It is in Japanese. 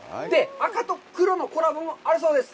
赤と黒のコラボもあるそうです。